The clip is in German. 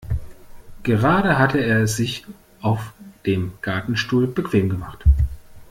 Gerade hatte er es sich auf dem Gartenstuhl bequem gemacht.